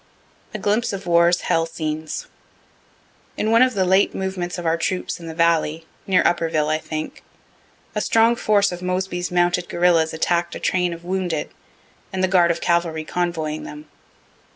A GLIMPSE OF WAR'S HELL SCENES In one of the late movements of our troops in the valley, (near Upperville, I think,) a strong force of Moseby's mounted guerillas attack'd a train of wounded, and the guard of cavalry convoying them.